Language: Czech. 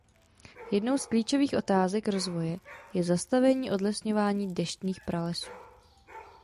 Jednou z klíčových otázek rozvoje je zastavení odlesňování deštných pralesů.